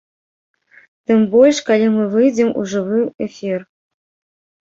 Тым больш калі мы выйдзем у жывы эфір.